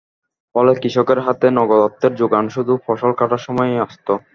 ফলে, কৃষকের হাতে নগদ অর্থের জোগান শুধু ফসল কাটার সময়েই আসত।